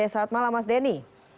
selamat malam mas denny